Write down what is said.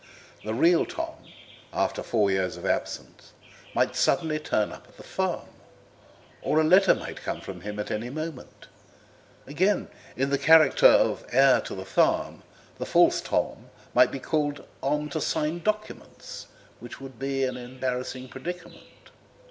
The real Tom, after four years of absence, might suddenly turn up at the farm, or a letter might come from him at any moment. Again, in the character of heir to the farm, the false Tom might be called on to sign documents, which would be an embarrassing predicament.